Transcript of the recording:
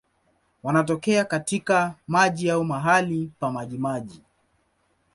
Wanatokea katika maji au mahali pa majimaji.